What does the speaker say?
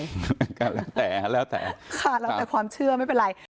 แล้วแต่แล้วแต่ความเชื่อไม่เป็นไร